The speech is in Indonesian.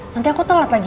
nanti aku telat lagi